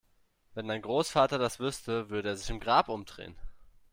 Wenn dein Großvater das wüsste, würde er sich im Grab umdrehen!